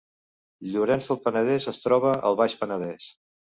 Llorenç del Penedès es troba al Baix Penedèss